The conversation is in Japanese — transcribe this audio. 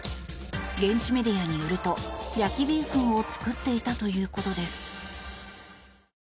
現地メディアによると焼きビーフンを作っていたということです。